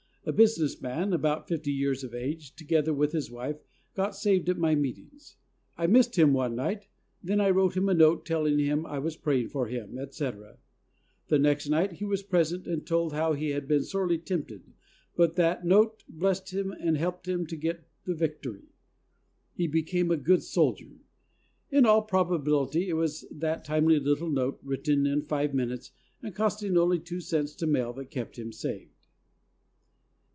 A business man of about fifty years of age, to gether with his wife, got saved in my meet ings. I missed him one night, then I wrote him a note telling him I was praying for him, etc. The next night he was present and told how he had been sorely tempted, but that note blessed him and helped him to get the victory. He became a good soldier. In all probability it was that timely little note, written in five minutes and costing only two cents to mail that kept him saved.